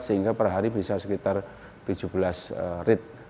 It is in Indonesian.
sehingga per hari bisa sekitar tujuh belas rit